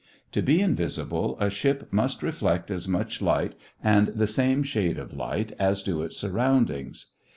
To be invisible, a ship must reflect as much light and the same shade of light as do its surroundings.